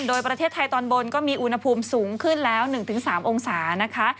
โดยประเทศไทยตอนบนก็มีอุณหภูมิสูงขึ้นแล้ว๑๓องศานะคะ